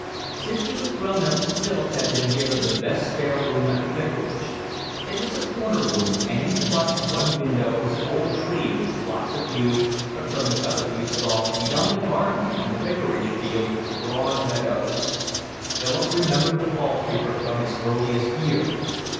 Since he was grown up Philip had been given the best spare room at the vicarage. It was a corner room and in front of one window was an old tree which blocked the view, but from the other you saw, beyond the garden and the vicarage field, broad meadows. Philip remembered the wall paper from his earliest years.